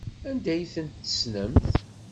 Anda ay ten-tessnemt?